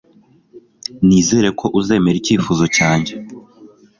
Nizere ko uzemera icyifuzo cyanjye